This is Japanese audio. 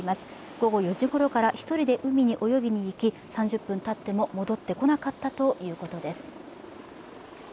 午後４時ごろから１人で海に泳ぎに行き、３０分たっても戻ってこなかったということです